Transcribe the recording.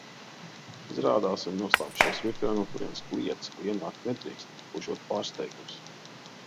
Izrādās, viņi noslēpušies virtuvē un no turienes kliedz, ka ienākt nedrīkst, būšot pārsteigums.